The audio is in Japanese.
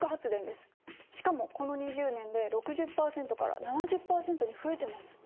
しかもこの２０年で６０％から７０％に増えてます。